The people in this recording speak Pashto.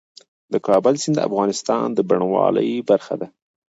د کابل سیند د افغانستان د بڼوالۍ برخه ده.